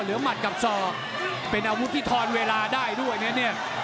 หมัดกับศอกเป็นอาวุธที่ทอนเวลาได้ด้วยนะเนี่ย